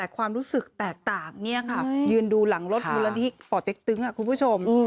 ความรู้สึกแตกต่างนี่ครับยืนดูหลังรถมุรณฑิกป่อเต็กตึ้งคุณผู้ชม